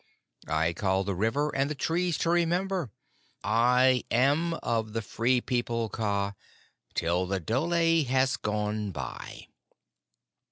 I called the River and the Trees to remember. I am of the Free People, Kaa, till the dhole has gone by."